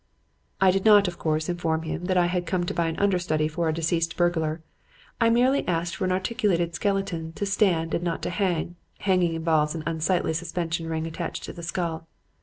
I did not, of course, inform him that I had come to buy an understudy for a deceased burglar. I merely asked for an articulated skeleton, to stand and not to hang (hanging involves an unsightly suspension ring attached to the skull).